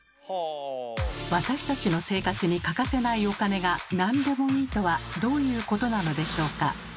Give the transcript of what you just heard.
私たちの生活に欠かせないお金が「なんでもいい」とはどういうことなのでしょうか？